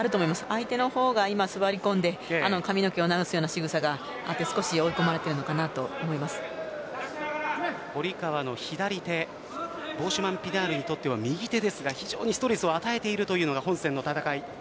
相手の方が座り込んで髪の毛を直すようなしぐさがあって少し追い込まれてるのかなと堀川の左手ボーシュマンピナールにとっては右手ですが非常にストレスを与えているというのが本戦の戦い